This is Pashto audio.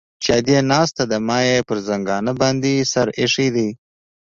چې ادې ناسته ده ما يې پر زنګانه باندې سر ايښى دى.